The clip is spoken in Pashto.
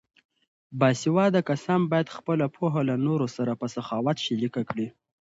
باسواده کسان باید خپله پوهه له نورو سره په سخاوت شریکه کړي.